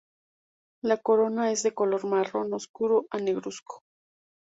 La corona es de color marrón oscuro a negruzco.